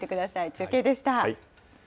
中継でした。